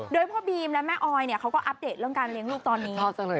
โดยพ่อบีมและแม่ออยเขาก็อัปเดตเรื่องการเลี้ยงลูกตอนนี้